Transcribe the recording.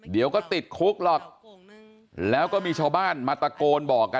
เดี๋ยวก็ติดคุกหรอกแล้วก็มีชาวบ้านมาตะโกนบอกกัน